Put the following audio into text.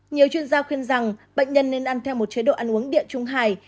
nhiều chuyên gia khuyên rằng bệnh nhân nên ăn theo một chế độ ăn uống điện trung hải